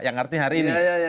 yang artinya hari ini